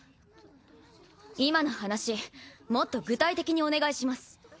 今の話もっと具体的にお願いします。